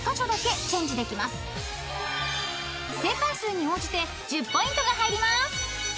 ［正解数に応じて１０ポイントが入ります］